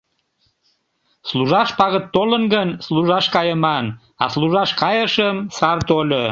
Служаш пагыт толын гын, служаш кайыман, а служаш кайышым - сар тольо...